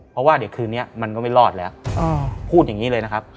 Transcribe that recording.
เพราะว่าเดี๋ยวคืนนี้มันก็ไม่รอดแล้วพูดอย่างนี้เลยนะครับ